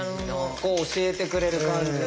教えてくれる感じの。